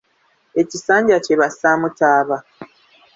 Ekisanja kye bassaamu taba?